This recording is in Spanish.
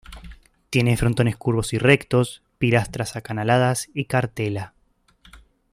Tiene frontones curvos y rectos, pilastras acanaladas y cartela.